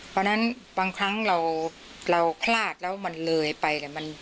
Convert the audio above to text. เพราะฉะนั้นบางครั้งเราคลาดแล้วมันเลยไปเนี่ย